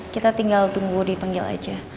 kita tinggal tunggu dipanggil aja